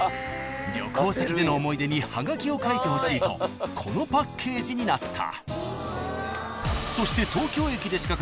［旅行先での思い出にはがきを書いてほしいとこのパッケージになった］